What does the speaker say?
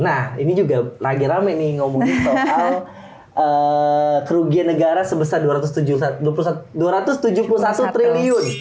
nah ini juga lagi rame nih ngomongin soal kerugian negara sebesar dua ratus tujuh puluh satu triliun